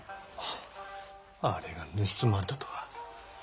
あれが盗まれたとは。